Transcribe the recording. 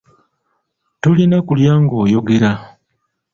Tolina kulya ng'oyogera.